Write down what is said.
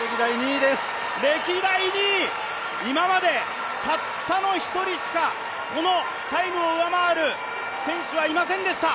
歴代２位、今までたったの１人しか、このタイムを上回る選手はいませんでした。